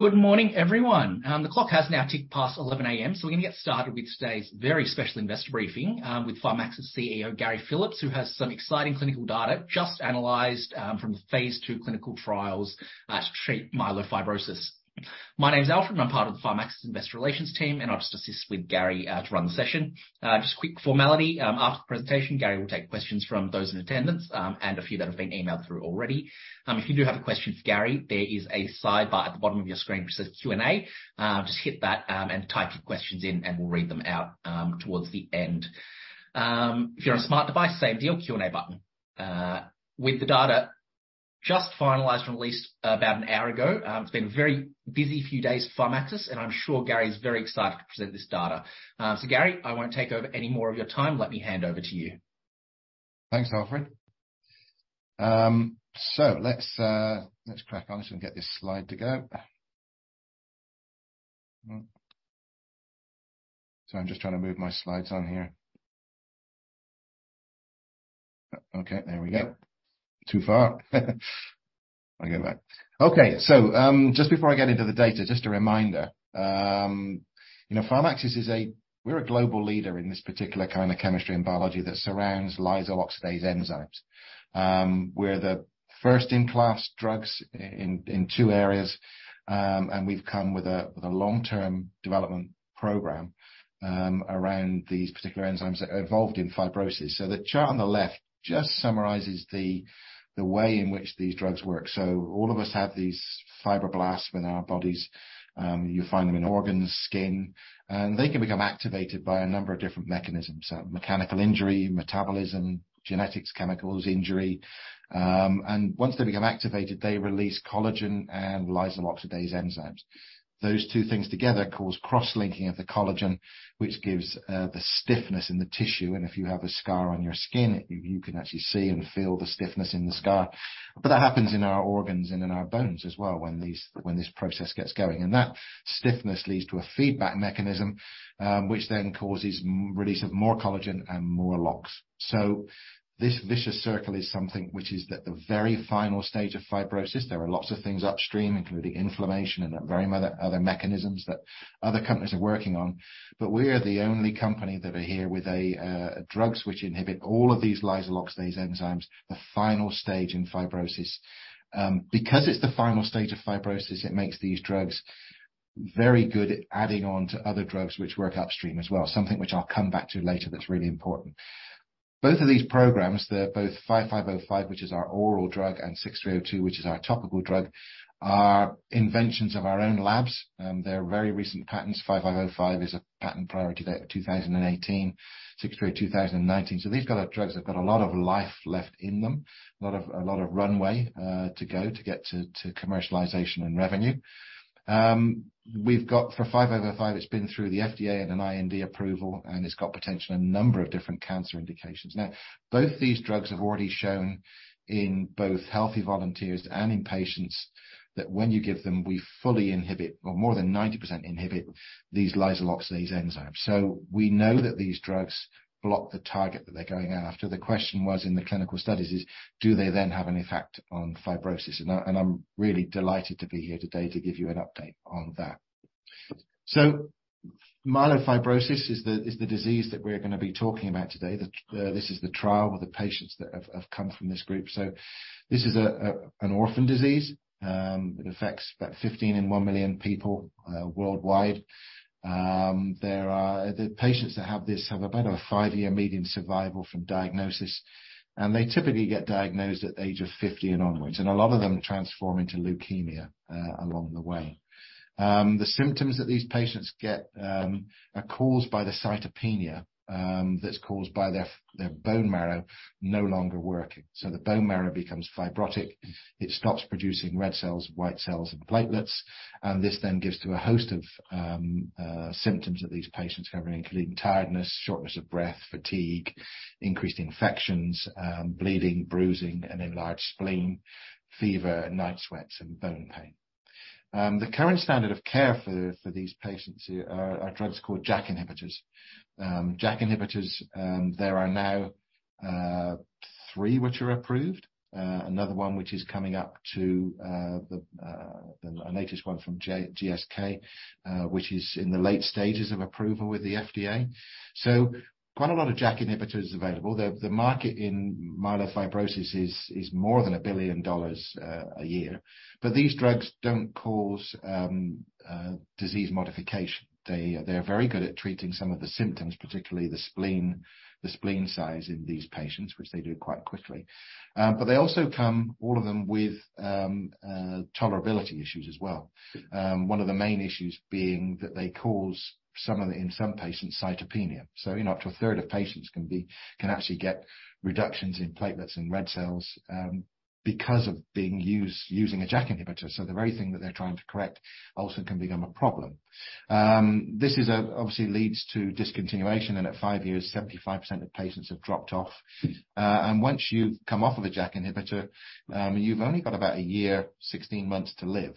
Good morning, everyone. The clock has now ticked past 11:00 A.M., we're gonna get started with today's very special investor briefing with Syntara CEO, Gary Phillips, who has some exciting clinical data just analyzed from the Phase 2 clinical trials to treat myelofibrosis. My name is Alfred, and I'm part of the Syntara Investor Relations team, and I'll just assist with Gary to run the session. Just a quick formality. After the presentation, Gary will take questions from those in attendance, and a few that have been emailed through already. If you do have a question for Gary, there is a sidebar at the bottom of your screen which says Q&A. Just hit that, and type your questions in, and we'll read them out towards the end. If you're on a smart device, same deal, Q&A button. With the data just finalized and released about an hour ago, it's been a very busy few days at Pharmaxis, and I'm sure Gary is very excited to present this data. Gary, I won't take over any more of your time. Let me hand over to you. Thanks, Alfred. Let's crack on and get this slide to go. I'm just trying to move my slides on here. There we go. Too far. I'll go back. Just before I get into the data, just a reminder, you know, Pharmaxis is a global leader in this particular kind of chemistry and biology that surrounds lysyl oxidase enzymes. We're the first-in-class drugs in two areas, and we've come with a long-term development program around these particular enzymes that are involved in fibrosis. The chart on the left just summarizes the way in which these drugs work. All of us have these fibroblasts in our bodies. You find them in organs, skin, and they can become activated by a number of different mechanisms: mechanical injury, metabolism, genetics, chemicals, injury. Once they become activated, they release collagen and lysyl oxidase enzymes. Those two things together cause cross-linking of the collagen, which gives the stiffness in the tissue, and if you have a scar on your skin, you can actually see and feel the stiffness in the scar. That happens in our organs and in our bones as well when this process gets going. That stiffness leads to a feedback mechanism, which then causes release of more collagen and more LOX. This vicious circle is something which is at the very final stage of fibrosis. There are lots of things upstream, including inflammation and a very other mechanisms that other companies are working on. We are the only company that are here with drugs which inhibit all of these lysyl oxidase enzymes, the final stage in fibrosis. Because it's the final stage of fibrosis, it makes these drugs very good at adding on to other drugs which work upstream as well, something which I'll come back to later that's really important. Both of these programs, they're both PXS-5505, which is our oral drug, and PXS-6302, which is our topical drug, are inventions of our own labs, and they're very recent patents. PXS-5505 is a patent priority date of 2018, PXS-6302, 2019. These kind of drugs have got a lot of life left in them, a lot of runway to go to commercialization and revenue. We've got for PXS-5505, it's been through the FDA and an IND approval, and it's got potential in a number of different cancer indications. Both these drugs have already shown in both healthy volunteers and in patients, that when you give them, we fully inhibit, or more than 90% inhibit, these lysyl oxidase enzymes. We know that these drugs block the target that they're going after. The question was, in the clinical studies, do they then have an effect on fibrosis? I'm really delighted to be here today to give you an update on that. Myelofibrosis is the disease that we're going to be talking about today. This is the trial with the patients that have come from this group. This is an orphan disease. It affects about 15 in 1 million people worldwide. The patients that have this have about a 5-year median survival from diagnosis. They typically get diagnosed at the age of 50 and onwards. A lot of them transform into leukemia along the way. The symptoms that these patients get are caused by the cytopenia that's caused by their bone marrow no longer working. The bone marrow becomes fibrotic, it stops producing red cells, white cells and platelets. This gives to a host of symptoms that these patients have, including tiredness, shortness of breath, fatigue, increased infections, bleeding, bruising, and enlarged spleen, fever, night sweats, and bone pain. The current standard of care for these patients are drugs called JAK inhibitors. JAK inhibitors, there are now three which are approved, another one which is coming up to the latest one from GSK, which is in the late stages of approval with the FDA. Quite a lot of JAK inhibitors available. The market in myelofibrosis is more than $1 billion a year. These drugs don't cause disease modification. They are very good at treating some of the symptoms, particularly the spleen size in these patients, which they do quite quickly. They also come, all of them, with tolerability issues as well. One of the main issues being that they cause some of the, in some patients, cytopenia. You know, up to a third of patients can actually get reductions in platelets and red cells because of using a JAK inhibitor. The very thing that they're trying to correct also can become a problem. This obviously leads to discontinuation, and at five years, 75% of patients have dropped off. Once you've come off of a JAK inhibitor, you've only got about 1 year, 16 months to live.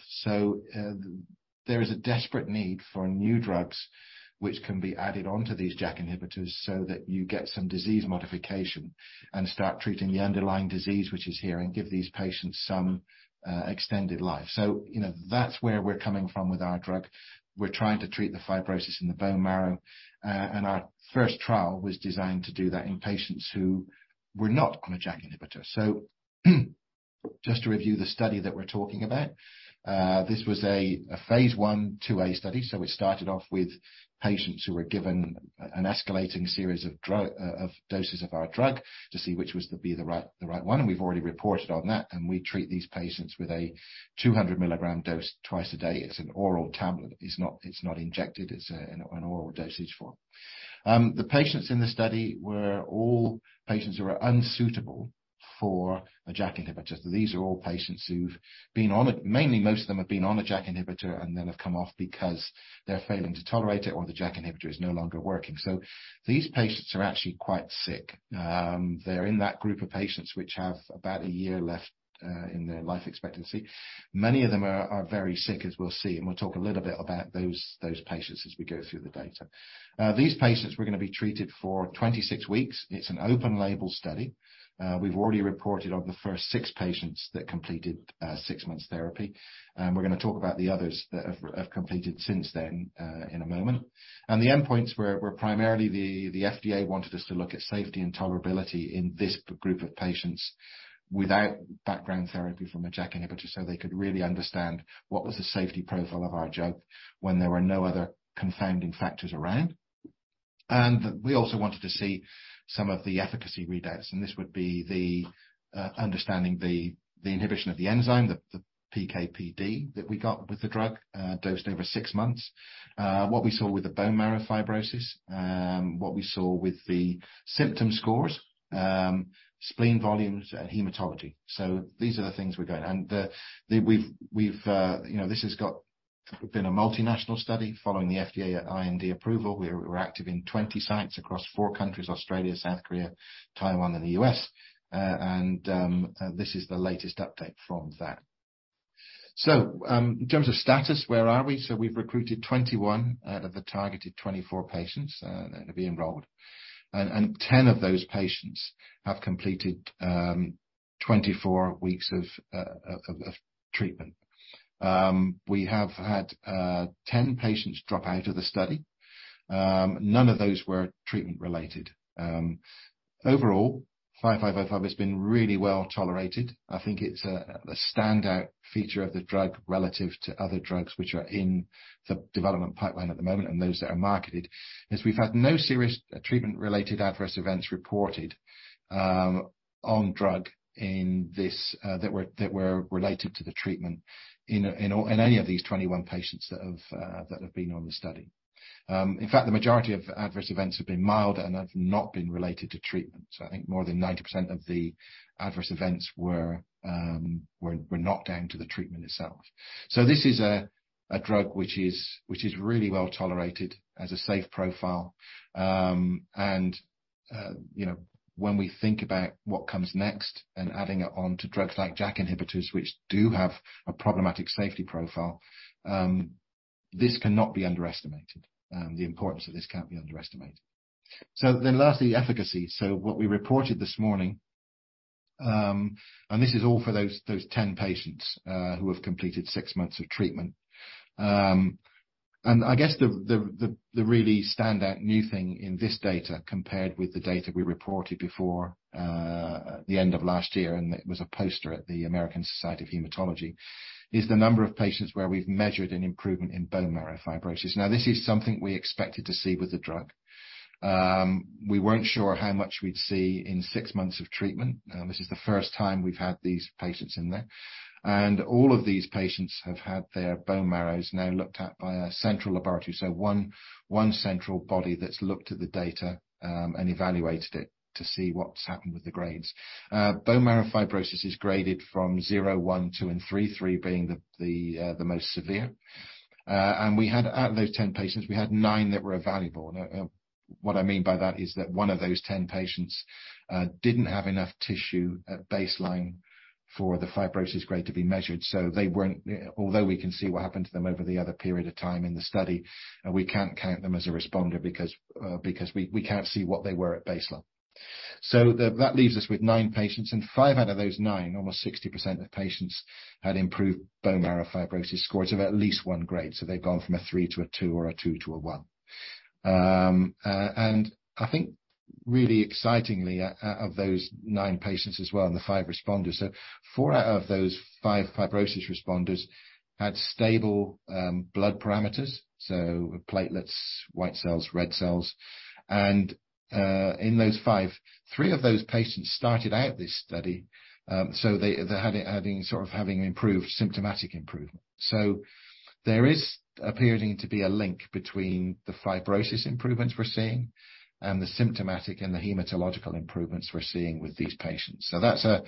There is a desperate need for new drugs which can be added onto these JAK inhibitors so that you get some disease modification and start treating the underlying disease which is here, and give these patients some extended life. You know, that's where we're coming from with our drug. We're trying to treat the fibrosis in the bone marrow. Our first trial was designed to do that in patients who were not on a JAK inhibitor. Just to review the study that we're talking about. This was a phase 1/2a study. It started off with patients who were given an escalating series of doses of our drug, to see which was to be the right one. We've already reported on that, and we treat these patients with a 200 milligram dose twice a day. It's an oral tablet. It's not injected, it's an oral dosage form. The patients in the study were all patients who are unsuitable for a JAK inhibitor. These are all patients who've been on mainly, most of them have been on a JAK inhibitor and then have come off because they're failing to tolerate it, or the JAK inhibitor is no longer working. These patients are actually quite sick. They're in that group of patients which have about a year left in their life expectancy. Many of them are very sick, as we'll see, and we'll talk a little bit about those patients as we go through the data. These patients were gonna be treated for 26 weeks. It's an open-label study. We've already reported on the first six patients that completed six months therapy, and we're gonna talk about the others that have completed since then in a moment. The endpoints were primarily the FDA wanted us to look at safety and tolerability in this group of patients without background therapy from a JAK inhibitor, so they could really understand what was the safety profile of our drug when there were no other confounding factors around. We also wanted to see some of the efficacy readouts, and this would be understanding the inhibition of the enzyme, the PK/PD, that we got with the drug dosed over 6 months. What we saw with the bone marrow fibrosis, what we saw with the symptom scores, spleen volumes and hematology. These are the things we're doing. We've, you know, this has been a multinational study following the FDA at IND approval. We're active in 20 sites across four countries, Australia, South Korea, Taiwan, and the U.S. This is the latest update from that. In terms of status, where are we? We've recruited 21 out of the targeted 24 patients to be enrolled, and 10 of those patients have completed 24 weeks of treatment. We have had 10 patients drop out of the study. None of those were treatment-related. Overall, 5505 has been really well tolerated. I think it's a standout feature of the drug relative to other drugs which are in the development pipeline at the moment and those that are marketed, as we've had no serious treatment-related adverse events reported on drug in this that were related to the treatment in any of these 21 patients that have been on the study. In fact, the majority of adverse events have been mild and have not been related to treatment. I think more than 90% of the adverse events were not down to the treatment itself. This is a drug which is really well tolerated, has a safe profile. you know, when we think about what comes next and adding it on to drugs like JAK inhibitors, which do have a problematic safety profile, this cannot be underestimated. The importance of this can't be underestimated. Lastly, efficacy. What we reported this morning, and this is all for those 10 patients, who have completed six months of treatment. I guess the really standout new thing in this data, compared with the data we reported before, the end of last year, and it was a poster at the American Society of Hematology, is the number of patients where we've measured an improvement in bone marrow fibrosis. This is something we expected to see with the drug. We weren't sure how much we'd see in six months of treatment. This is the first time we've had these patients in there, and all of these patients have had their bone marrows now looked at by a central laboratory. One, one central body that's looked at the data and evaluated it to see what's happened with the grades. Bone marrow fibrosis is graded from 0, 1, 2, and 3. 3 being the most severe. We had out of those 10 patients, we had 9 that were evaluable. Now, what I mean by that is that 1 of those 10 patients didn't have enough tissue at baseline for the fibrosis grade to be measured. So they weren't... Although we can see what happened to them over the other period of time in the study, we can't count them as a responder because we can't see what they were at baseline. That leaves us with 9 patients, and 5 out of those 9, almost 60% of patients, had improved bone marrow fibrosis scores of at least 1 grade. They've gone from a 3 to a 2 or a 2 to a 1. I think really excitingly, out of those 9 patients as well and the 5 responders, 4 out of those 5 fibrosis responders had stable blood parameters, so platelets, white cells, red cells. In those 5, 3 of those patients started out this study, they had it, having sort of improved, symptomatic improvement. There is appearing to be a link between the fibrosis improvements we're seeing and the symptomatic and the hematological improvements we're seeing with these patients. That's a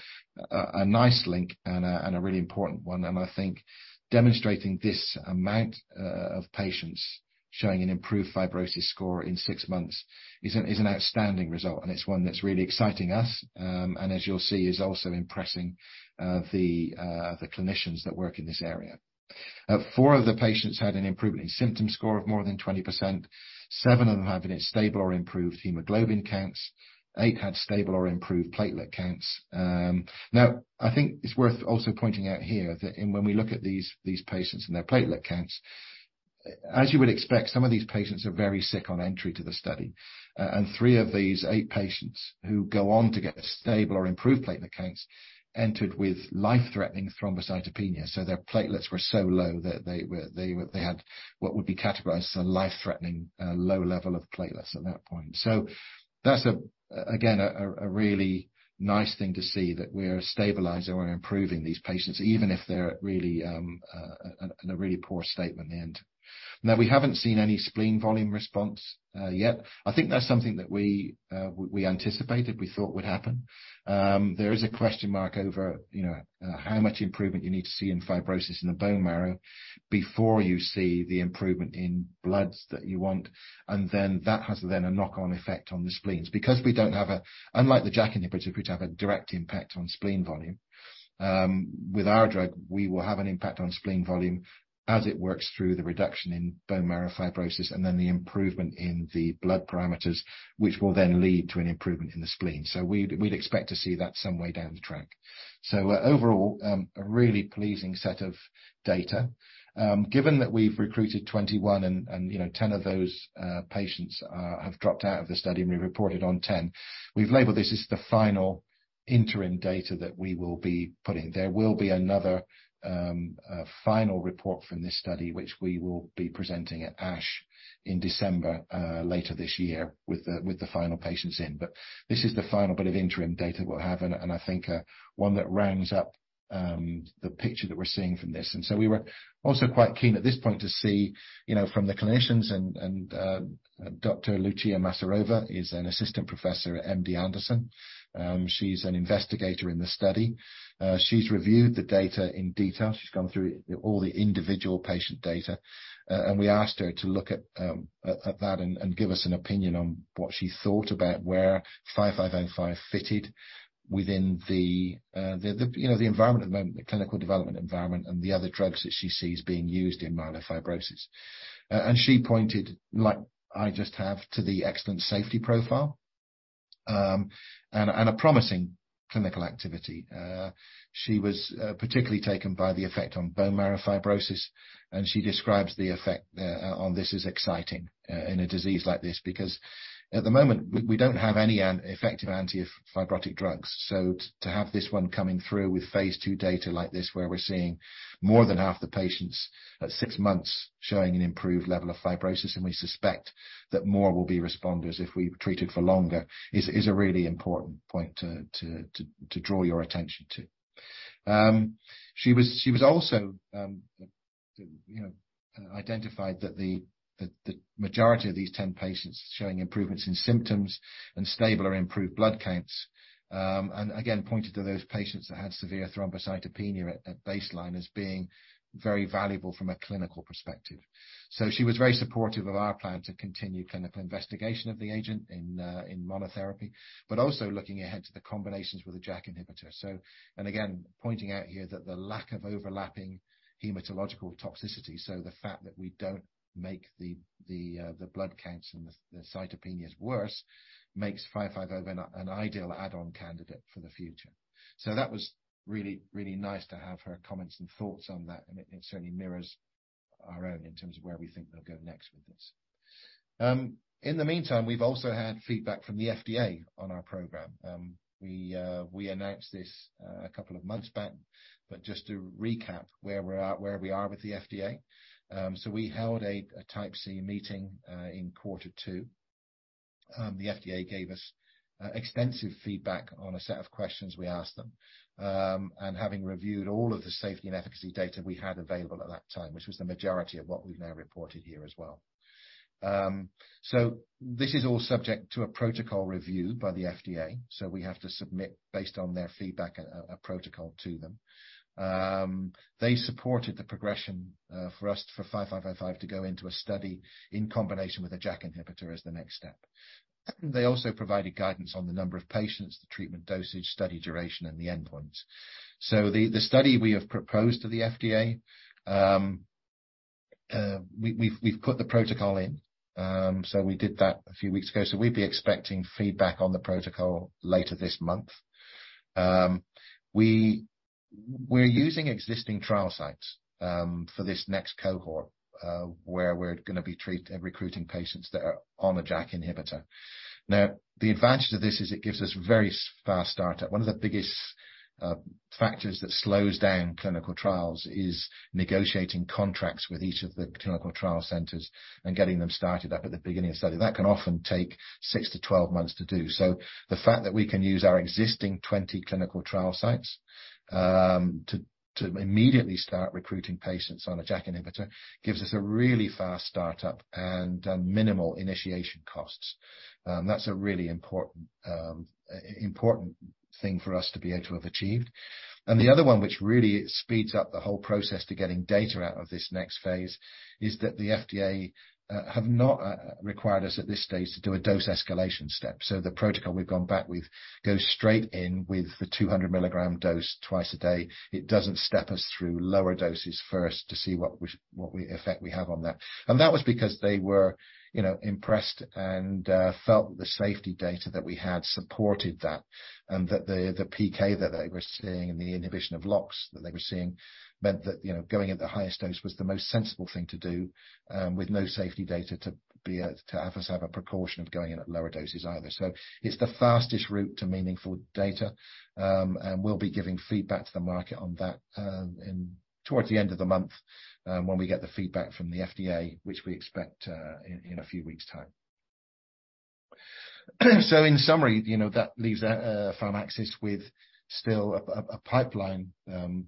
nice link and a really important one. I think demonstrating this amount of patients showing an improved fibrosis score in six months is an outstanding result, and it's one that's really exciting us. As you'll see, is also impressing the clinicians that work in this area. Four of the patients had an improvement in symptom score of more than 20%, seven of them having a stable or improved hemoglobin counts, eight had stable or improved platelet counts. Now, I think it's worth also pointing out here that when we look at these patients and their platelet counts. As you would expect, some of these patients are very sick on entry to the study. Three of these 8 patients who go on to get stable or improved platelet counts, entered with life-threatening thrombocytopenia. Their platelets were so low that they had what would be categorized as a life-threatening, low level of platelets at that point. That's, again, a really nice thing to see, that we're stabilizing or improving these patients, even if they're really in a really poor state when they enter. We haven't seen any spleen volume response yet. I think that's something that we anticipated, we thought would happen. There is a question mark over, you know, how much improvement you need to see in fibrosis in the bone marrow before you see the improvement in bloods that you want, and then that has then a knock-on effect on the spleens. We don't have Unlike the JAK inhibitor, which have a direct impact on spleen volume, with our drug, we will have an impact on spleen volume as it works through the reduction in bone marrow fibrosis, and then the improvement in the blood parameters, which will then lead to an improvement in the spleen. We'd expect to see that some way down the track. Overall, a really pleasing set of data. Given that we've recruited 21 and, you know, 10 of those patients have dropped out of the study, and we reported on 10, we've labeled this as the final interim data that we will be putting. There will be another final report from this study, which we will be presenting at ASH in December later this year, with the final patients in. This is the final bit of interim data we'll have, and I think one that rounds up the picture that we're seeing from this. We were also quite keen at this point to see, you know, from the clinicians and Dr. Lucia Masarova is an assistant professor at MD Anderson. She's an investigator in the study. She's reviewed the data in detail. She's gone through all the individual patient data, and we asked her to look at that and give us an opinion on what she thought about where PXS-5505 fitted within the, you know, the environment at the moment, the clinical development environment, and the other drugs that she sees being used in myelofibrosis. She pointed, like I just have, to the excellent safety profile, and a promising clinical activity. She was particularly taken by the effect on bone marrow fibrosis, and she describes the effect on this as exciting in a disease like this, because at the moment, we don't have any effective anti-fibrotic drugs. To have this one coming through with Phase 2 data like this, where we're seeing more than half the patients at six months showing an improved level of fibrosis, and we suspect that more will be responders if we treated for longer, is a really important point to draw your attention to. She was also, you know, identified that the majority of these ten patients showing improvements in symptoms and stable or improved blood counts, again, pointed to those patients that had severe thrombocytopenia at baseline as being very valuable from a clinical perspective. She was very supportive of our plan to continue clinical investigation of the agent in monotherapy, but also looking ahead to the combinations with a JAK inhibitor. And again, pointing out here that the lack of overlapping hematological toxicity, so the fact that we don't make the blood counts and the cytopenias worse, makes 5505 an ideal add-on candidate for the future. That was really nice to have her comments and thoughts on that, and it certainly mirrors our own in terms of where we think they'll go next with this. In the meantime, we've also had feedback from the FDA on our program. We announced this a couple of months back, but just to recap where we are with the FDA. We held a Type C meeting in Q 2. The FDA gave us extensive feedback on a set of questions we asked them. Having reviewed all of the safety and efficacy data we had available at that time, which was the majority of what we've now reported here as well. This is all subject to a protocol review by the FDA, so we have to submit, based on their feedback, a protocol to them. They supported the progression for us, for PXS-5505 to go into a study in combination with a JAK inhibitor as the next step. They also provided guidance on the number of patients, the treatment dosage, study duration, and the endpoints. The study we have proposed to the FDA, we've put the protocol in. We did that a few weeks ago, so we'd be expecting feedback on the protocol later this month. We're using existing trial sites for this next cohort, where we're gonna be recruiting patients that are on a JAK inhibitor. The advantage of this is it gives us very fast startup. One of the biggest factors that slows down clinical trials is negotiating contracts with each of the clinical trial centers and getting them started up at the beginning of the study. That can often take 6-12 months to do. The fact that we can use our existing 20 clinical trial sites to immediately start recruiting patients on a JAK inhibitor, gives us a really fast startup and minimal initiation costs. That's a really important thing for us to be able to have achieved. The other one, which really speeds up the whole process to getting data out of this next phase, is that the FDA have not required us at this stage to do a dose escalation step. The protocol we've gone back with goes straight in with the 200 milligram dose twice a day. It doesn't step us through lower doses first to see what effect we have on that. That was because they were, you know, impressed and felt that the safety data that we had supported that, and that the PK that they were seeing and the inhibition of LOX that they were seeing meant that, you know, going at the highest dose was the most sensible thing to do, with no safety data, to have us have a proportion of going in at lower doses either. It's the fastest route to meaningful data. And we'll be giving feedback to the market on that, in towards the end of the month, when we get the feedback from the FDA, which we expect, in a few weeks' time. In summary, you know, that leaves Pharmaxis with still a, a pipeline,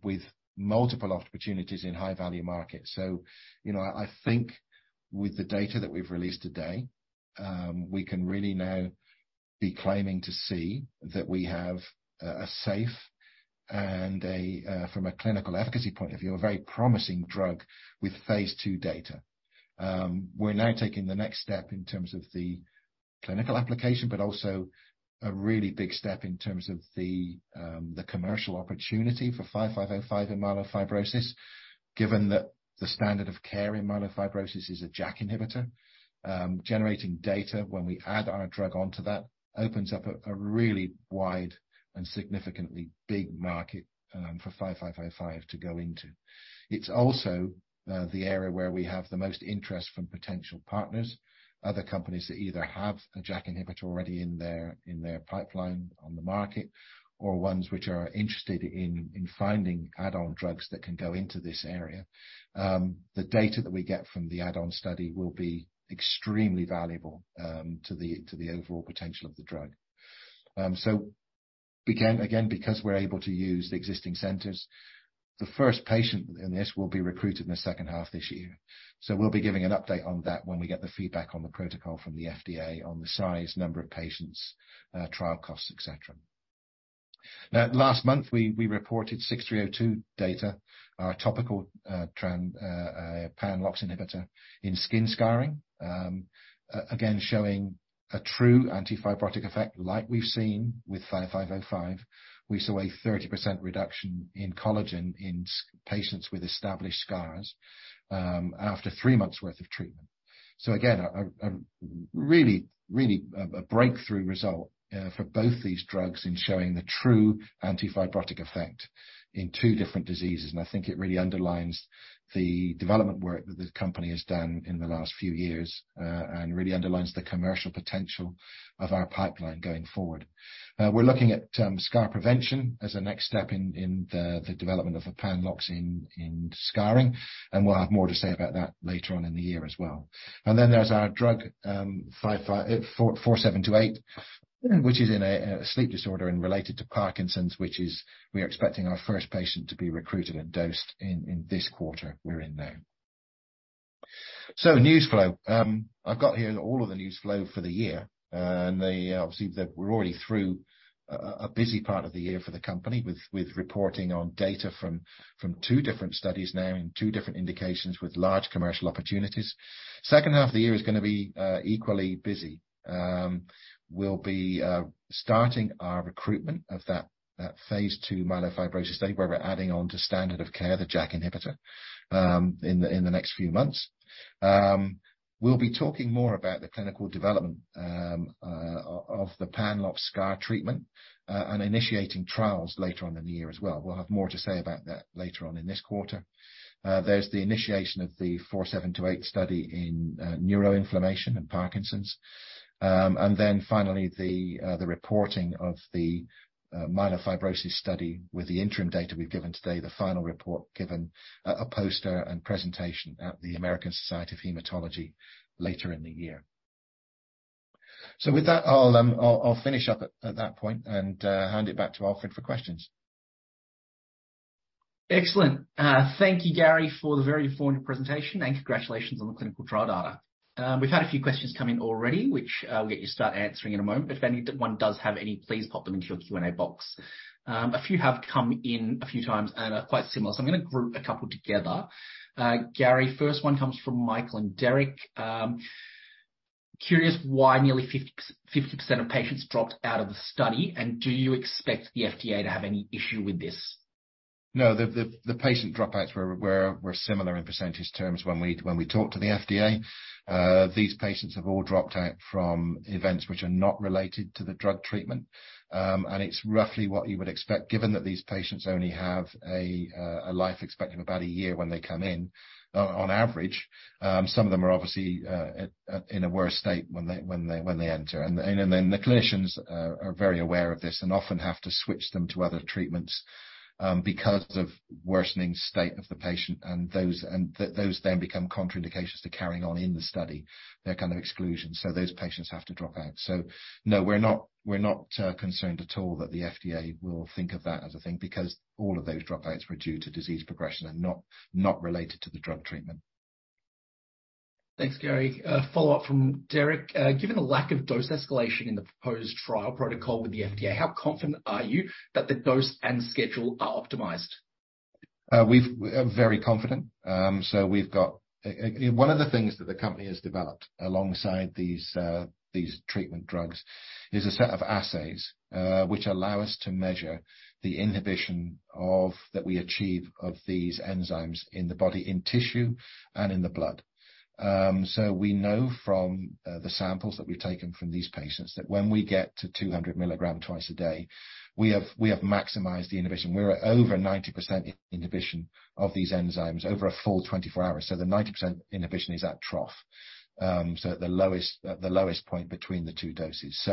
with multiple opportunities in high-value markets. You know, I think with the data that we've released today, we can really now be claiming to see that we have a safe and from a clinical efficacy point of view, a very promising drug with Phase 2 data. We're now taking the next step in terms of the clinical application, but also a really big step in terms of the commercial opportunity for 5505 in myelofibrosis. Given that the standard of care in myelofibrosis is a JAK inhibitor, generating data when we add our drug onto that, opens up a really wide and significantly big market for 5505 to go into. It's also the area where we have the most interest from potential partners. Other companies that either have a JAK inhibitor already in their pipeline on the market, or ones which are interested in finding add-on drugs that can go into this area. The data that we get from the add-on study will be extremely valuable to the overall potential of the drug. Again, because we're able to use the existing centers, the first patient in this will be recruited in the H2 of this year. We'll be giving an update on that when we get the feedback on the protocol from the FDA on the size, number of patients, trial costs, et cetera. Last month, we reported 6302 data, our topical uncertain inhibitor in skin scarring. Again, showing a true anti-fibrotic effect like we've seen with PXS-5505. We saw a 30% reduction in collagen in patients with established scars after 3 months' worth of treatment. Again, a really breakthrough result for both these drugs in showing the true anti-fibrotic effect in 2 different diseases. I think it really underlines the development work that the company has done in the last few years and really underlines the commercial potential of our pipeline going forward. We're looking at scar prevention as a next step in the development of a pan-LOX in scarring, and we'll have more to say about that later on in the year as well. There's our drug, PXS-4728, which is in a sleep disorder and related to Parkinson's. We are expecting our first patient to be recruited and dosed in this quarter we're in now. News flow. I've got here all of the news flow for the year. Obviously, we're already through a busy part of the year for the company with reporting on data from two different studies now in two different indications with large commercial opportunities. H2 of the year is gonna be equally busy. We'll be starting our recruitment of that phase 2 myelofibrosis study, where we're adding on to standard of care, the JAK inhibitor, in the next few months. We'll be talking more about the clinical development of the pan-LOX scar treatment and initiating trials later on in the year as well. We'll have more to say about that later on in this quarter. There's the initiation of the PXS-4728 study in neuroinflammation and Parkinson's. And then finally, the reporting of the myelofibrosis study with the interim data we've given today, the final report given at a poster and presentation at the American Society of Hematology later in the year. With that, I'll finish up at that point and hand it back to Alfred for questions. Excellent. Thank you, Gary, for the very informative presentation, and congratulations on the clinical trial data. We've had a few questions come in already, which I'll get you to start answering in a moment. If anyone does have any, please pop them into your Q&A box. A few have come in a few times and are quite similar, I'm gonna group a couple together. Gary, first one comes from Michael and Derrick. "Curious why nearly 50% of patients dropped out of the study, and do you expect the FDA to have any issue with this? No, the patient dropouts were similar in percentage terms when we talked to the FDA. These patients have all dropped out from events which are not related to the drug treatment. It's roughly what you would expect, given that these patients only have a life expectancy of about a year when they come in, on average. Some of them are obviously in a worse state when they enter. The clinicians are very aware of this and often have to switch them to other treatments, because of worsening state of the patient, and those then become contraindications to carrying on in the study. They're kind of exclusions, so those patients have to drop out. No, we're not concerned at all that the FDA will think of that as a thing, because all of those dropouts were due to disease progression and not related to the drug treatment. Thanks, Gary. A follow-up from Derrick: "Given the lack of dose escalation in the proposed trial protocol with the FDA, how confident are you that the dose and schedule are optimized? We are very confident. We've got a One of the things that the company has developed alongside these treatment drugs is a set of assays, which allow us to measure the inhibition that we achieve of these enzymes in the body, in tissue and in the blood. We know from, the samples that we've taken from these patients, that when we get to 200 milligrams twice a day, we have maximized the inhibition. We're at over 90% inhibition of these enzymes over a full 24 hours. The 90% inhibition is at trough, so at the lowest point between the 2 doses.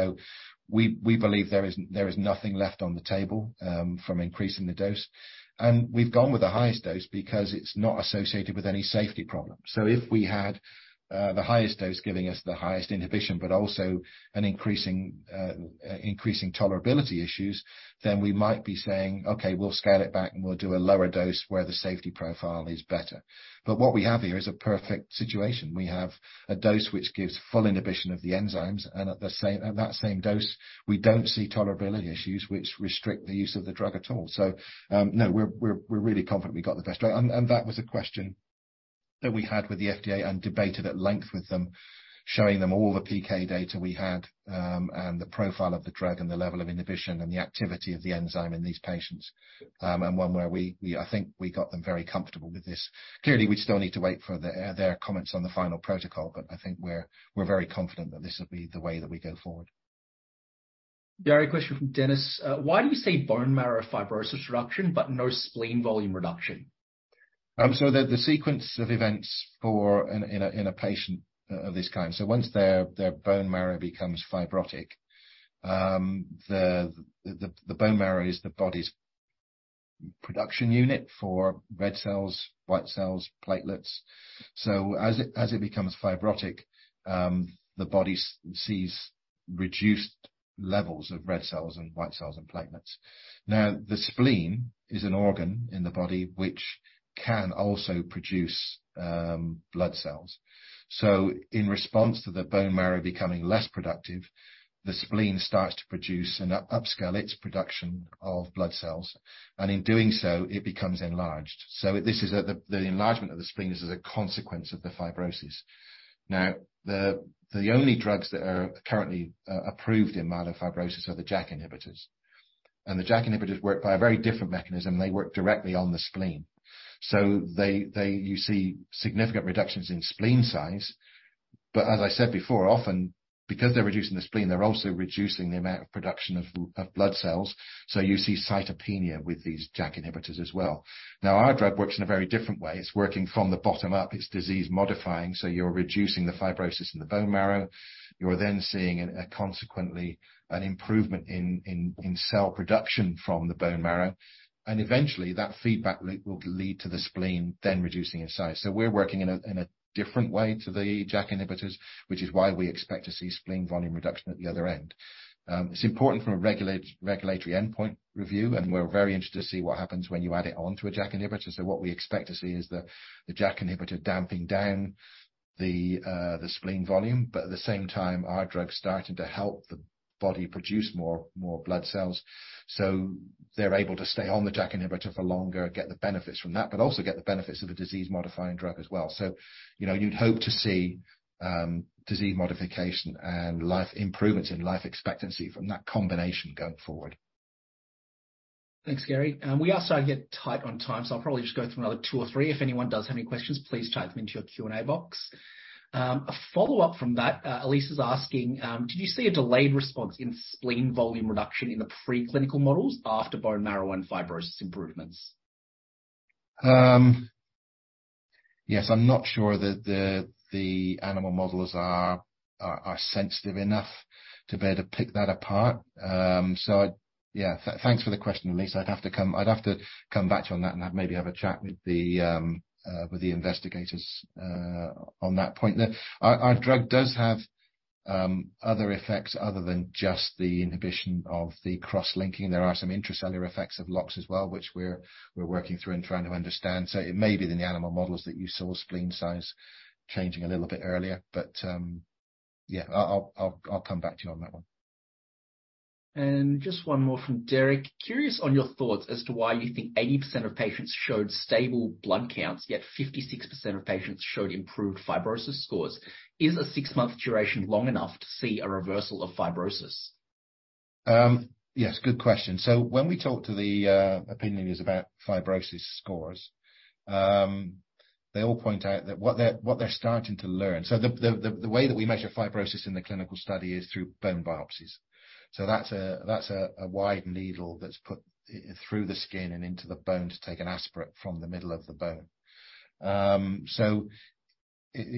We believe there is nothing left on the table, from increasing the dose. We've gone with the highest dose because it's not associated with any safety problems. If we had the highest dose giving us the highest inhibition, but also an increasing tolerability issues, then we might be saying, "Okay, we'll scale it back, and we'll do a lower dose where the safety profile is better." What we have here is a perfect situation. We have a dose which gives full inhibition of the enzymes, and at that same dose, we don't see tolerability issues which restrict the use of the drug at all. No, we're really confident we got the best drug. That was a question that we had with the FDA and debated at length with them, showing them all the PK data we had, and the profile of the drug and the level of inhibition and the activity of the enzyme in these patients. One where I think we got them very comfortable with this. Clearly, we still need to wait for the their comments on the final protocol, but I think we're very confident that this will be the way that we go forward. Gary, a question from Dennis. "Why do you see bone marrow fibrosis reduction, but no spleen volume reduction? The sequence of events for a patient of this kind. Once their bone marrow becomes fibrotic, the bone marrow is the body's production unit for red cells, white cells, platelets. As it becomes fibrotic, the body sees reduced levels of red cells and white cells and platelets. The spleen is an organ in the body which can also produce blood cells. In response to the bone marrow becoming less productive, the spleen starts to produce and upscale its production of blood cells, and in doing so, it becomes enlarged. This is the enlargement of the spleen is as a consequence of the fibrosis. The only drugs that are currently approved in myelofibrosis are the JAK inhibitors. The JAK inhibitors work by a very different mechanism. They work directly on the spleen. You see significant reductions in spleen size. As I said before, often, because they're reducing the spleen, they're also reducing the amount of production of blood cells, so you see cytopenia with these JAK inhibitors as well. Our drug works in a very different way. It's working from the bottom up. It's disease-modifying, so you're reducing the fibrosis in the bone marrow. You're then seeing a consequently, an improvement in cell production from the bone marrow, and eventually, that feedback loop will lead to the spleen then reducing in size. We're working in a different way to the JAK inhibitors, which is why we expect to see spleen volume reduction at the other end. It's important from a regulatory endpoint review, and we're very interested to see what happens when you add it on to a JAK inhibitor. What we expect to see is the JAK inhibitor damping down the spleen volume, but at the same time, our drug starting to help the body produce more blood cells, so they're able to stay on the JAK inhibitor for longer and get the benefits from that, but also get the benefits of the disease-modifying drug as well. You know, you'd hope to see disease modification and life improvement in life expectancy from that combination going forward. Thanks, Gary. We are starting to get tight on time, so I'll probably just go through another two or three. If anyone does have any questions, please type them into your Q&A box. A follow-up from that, Elise is asking: "Did you see a delayed response in spleen volume reduction in the preclinical models after bone marrow and fibrosis improvements? Yes, I'm not sure that the animal models are sensitive enough to be able to pick that apart. Yeah. Thanks for the question, Elise. I'd have to come back to you on that and have, maybe have a chat with the investigators on that point. Our drug does have other effects other than just the inhibition of the cross-linking. There are some intracellular effects of LOX as well, which we're working through and trying to understand. It may be in the animal models that you saw spleen size changing a little bit earlier, but yeah, I'll come back to you on that one. Just one more from Derek: "Curious on your thoughts as to why you think 80% of patients showed stable blood counts, yet 56% of patients showed improved fibrosis scores. Is a 6-month duration long enough to see a reversal of fibrosis? Yes, good question. When we talk to the opinion leaders about fibrosis scores, they all point out that what they're starting to learn. The way that we measure fibrosis in the clinical study is through bone biopsies. That's a wide needle that's put through the skin and into the bone to take an aspirate from the middle of the bone.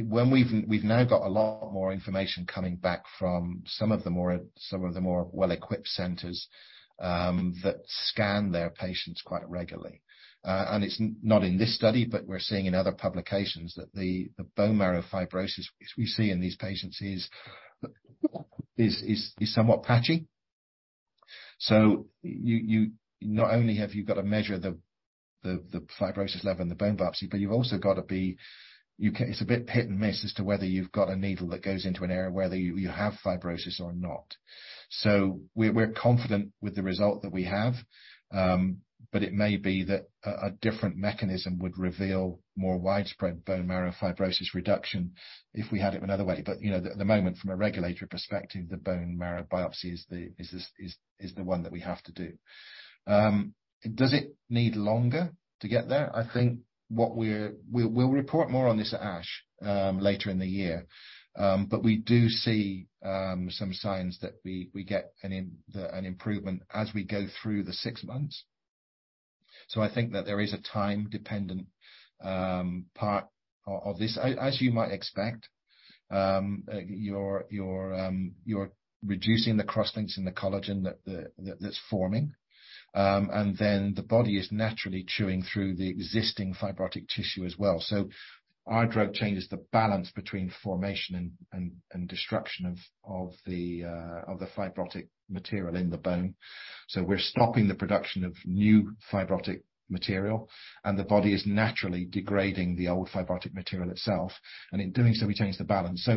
When we've now got a lot more information coming back from some of the more well-equipped centers that scan their patients quite regularly. It's not in this study, but we're seeing in other publications that the bone marrow fibrosis, which we see in these patients, is somewhat patchy. You not only have you got to measure the fibrosis level in the bone marrow biopsy, but you've also got it's a bit hit and miss as to whether you've got a needle that goes into an area whether you have fibrosis or not. We're confident with the result that we have, but it may be that a different mechanism would reveal more widespread bone marrow fibrosis reduction if we had it another way. You know, at the moment, from a regulatory perspective, the bone marrow biopsy is the one that we have to do. Does it need longer to get there? I think we'll report more on this at ASH later in the year. We do see some signs that we get an improvement as we go through the six months. I think that there is a time-dependent part of this. As you might expect, you're reducing the cross-links in the collagen that's forming, the body is naturally chewing through the existing fibrotic tissue as well. Our drug changes the balance between formation and destruction of the fibrotic material in the bone. We're stopping the production of new fibrotic material, the body is naturally degrading the old fibrotic material itself, in doing so, we change the balance.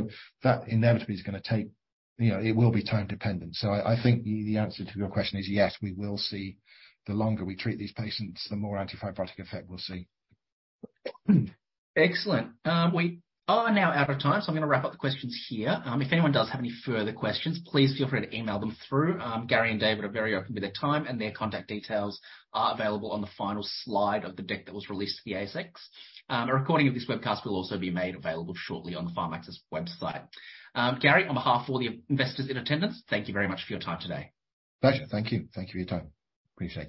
You know, it will be time-dependent. I think the answer to your question is yes, we will see. The longer we treat these patients, the more anti-fibrotic effect we'll see. Excellent. We are now out of time, so I'm gonna wrap up the questions here. If anyone does have any further questions, please feel free to email them through. Gary and David are very open with their time, and their contact details are available on the final slide of the deck that was released to the ASX. A recording of this webcast will also be made available shortly on the Pharmaxis website. Gary, on behalf of all the investors in attendance, thank you very much for your time today. Pleasure. Thank you. Thank you for your time. Appreciate it.